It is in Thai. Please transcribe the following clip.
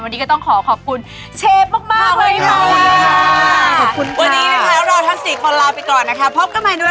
วันนี้ก็ต้องขอขอบคุณเชฟมากเลยค่ะขอบคุณค่ะ